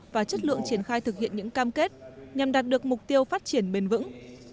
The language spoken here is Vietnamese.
và chất lượng triển khai thực hiện những cam kết nhằm đạt được mục tiêu phát triển bền vững